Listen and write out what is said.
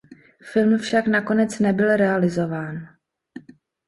Film však nakonec nebyl realizován.